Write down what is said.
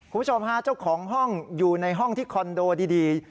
คุณผู้ชมฮะเจ้าของห้องอยู่ในห้องที่คอนโดดี